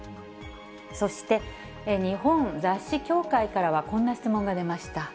そして、日本雑誌協会からは、こんな質問が出ました。